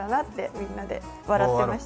みんなで笑ってました。